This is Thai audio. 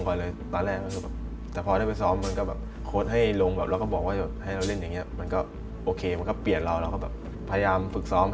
ไม่ได้คิดว่าจะลงก่อนเลยตอนแรก